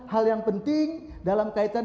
hal yang penting dalam kaitan